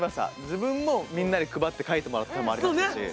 自分もみんなに配って書いてもらうパターンもありましたし。